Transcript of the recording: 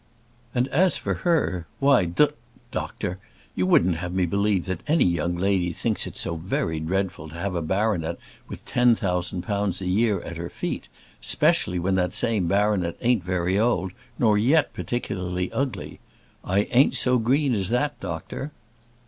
And as for her, why d , doctor, you wouldn't have me believe that any young lady thinks it so very dreadful to have a baronet with ten thousand pounds a year at her feet, specially when that same baronet ain't very old, nor yet particularly ugly. I ain't so green as that, doctor."